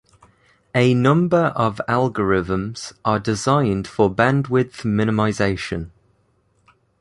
A number of algorithms are designed for bandwidth minimization.